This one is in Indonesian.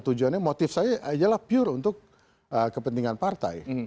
tujuannya motif saya ialah pure untuk kepentingan partai